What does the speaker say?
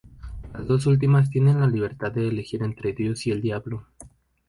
Las dos últimas tienen la libertad de elegir entre dios y el diablo.